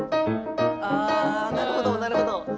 なるほどなるほど。